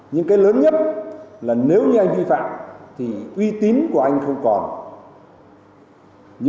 nhưng cái lớn nhất là nếu như anh vi phạm thì uy tín của anh không còn